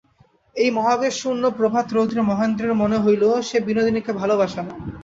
এই মহাবেশশূন্য প্রভাতরৌদ্রে মহেন্দ্রের মনে হইল, সে বিনোদিনীকে ভালোবাসে না।